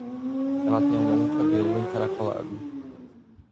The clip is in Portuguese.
Ela tem um longo cabelo encaracolado.